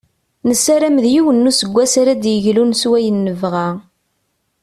Nessaram d yiwen n useggas ara d-yeglun s wayen nebɣa.